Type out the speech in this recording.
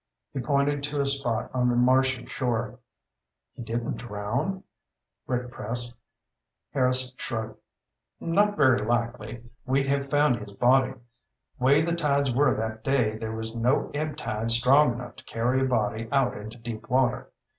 He pointed to a spot on the marshy shore. "He didn't drown?" Rick pressed. Harris shrugged. "Not very likely. We'd have found his body. Way the tides were that day, there was no ebb tide strong enough to carry a body out into deep water.